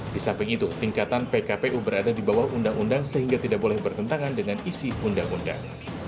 di samping itu tingkatan pkpu berada di bawah undang undang sehingga tidak boleh bertentangan dengan isi undang undang